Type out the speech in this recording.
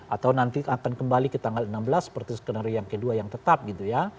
atau nanti akan kembali ke tanggal enam belas seperti skenario yang kedua yang tetap gitu ya